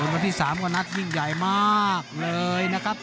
วันที่๓ก็นัดยิ่งใหญ่มากเลยนะครับ